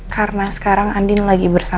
karena sekarang andin lagi bersama saya